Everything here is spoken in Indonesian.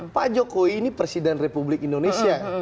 pak jokowi ini presiden republik indonesia